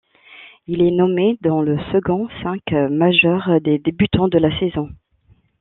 Il est nommé dans le second cinq majeur des débutants de la saison.